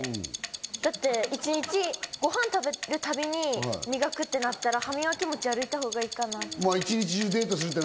だって一日ごはん食べるたびに磨くってなったら歯磨き持ち歩いたほうがいいかなって。